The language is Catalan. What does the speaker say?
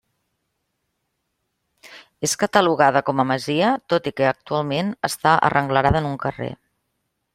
És catalogada com a masia tot i que actualment està arrenglerada en un carrer.